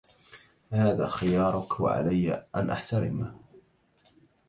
هذا خيارك و عليّ أن أحترمه.